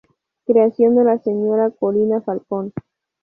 Creación de la Señora Corina Falcón.